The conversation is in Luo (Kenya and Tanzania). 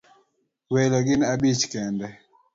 Welo gin abich kende